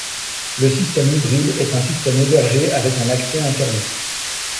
Le système hybride est un système hébergé avec un accès internet.